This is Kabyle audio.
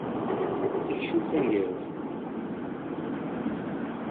D tikci-w taneggarut.